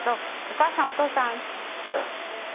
お母さんお父さん。